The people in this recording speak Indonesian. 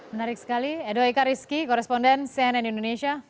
menarik sekali edo eka rizky koresponden cnn indonesia